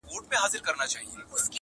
دا وطن به خپل مالک ته تسلمیږي-